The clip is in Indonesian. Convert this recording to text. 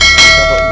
tidak ada yang tau